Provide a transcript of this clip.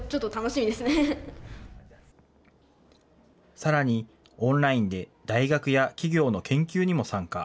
さらに、オンラインで大学や企業の研究にも参加。